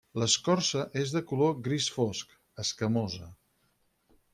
L'escorça és de color gris fosc, escamosa.